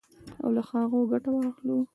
او له هغو ګټه واخلو.